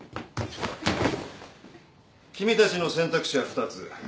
君たちの選択肢は２つ。